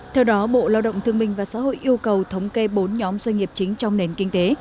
theo đó bộ lao động thương minh và xã hội yêu cầu thống kê bốn nhóm doanh nghiệp chính trong nền kinh tế